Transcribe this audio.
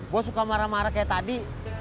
gue suka marah marah kayak tadi